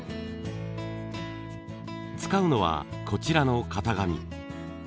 使うのはこちらの型紙。